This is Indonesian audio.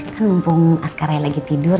kan mumpung askarnya lagi tidur